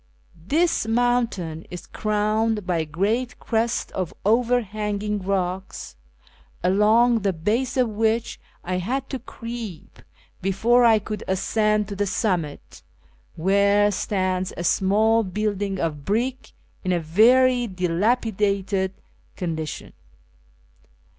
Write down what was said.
This mountain is crowned l)y a great crest of overhanging rocks, along the base of which I had to creep before I could ascend to the summit, where stands a small building of brick in a very dilapidated condition.